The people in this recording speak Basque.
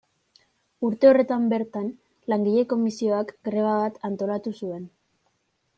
Urte horretan bertan Langile Komisioak greba bat antolatu zuen.